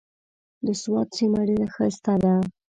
د سوات سيمه ډېره ښايسته ده۔